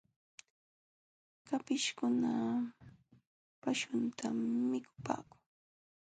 Kapishkuna paśhuntam mikupaakun.